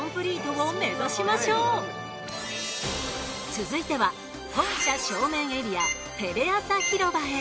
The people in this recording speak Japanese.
続いては本社正面エリアテレアサひろばへ。